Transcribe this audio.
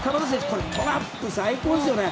トラップ最高ですよね。